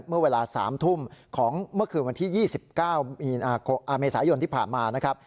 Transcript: เมื่อเวลา๓ทุ่มของเมื่อคืนวันที่๒๙เมษายนที่ผ่านมานะครับ